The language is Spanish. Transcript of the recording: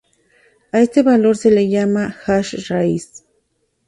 A este valor se le llama hash raíz.